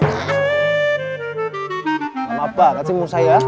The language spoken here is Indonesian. gak apa apa kasih mursa ya